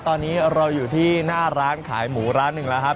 ตอนนี้เราอยู่ที่หน้าร้านขายหมูร้านหนึ่งแล้วครับ